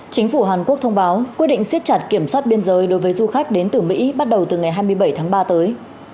chính phủ hàn quốc thông báo quyết định siết chặt kiểm soát biên giới đối với du khách đến từ mỹ bắt đầu từ ngày hai mươi bảy tháng ba tới